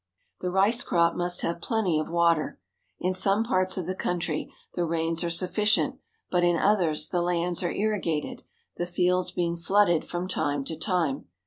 The rice crop must have plenty of water. In some parts of the country the rains are sufficient, but in others the lands are irrigated, the fields being flooded from time to time.